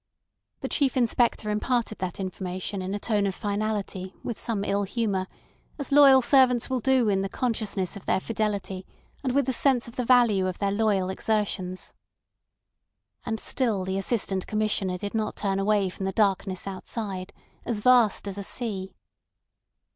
The Chief Inspector imparted that information in a tone of finality with some ill humour, as loyal servants will do in the consciousness of their fidelity and with the sense of the value of their loyal exertions. And still the Assistant Commissioner did not turn away from the darkness outside, as vast as a sea.